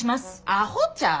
アホちゃう？